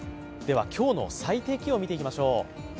今日の最低気温を見ていきましょう。